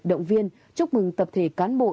động viên chúc mừng tập thể cán bộ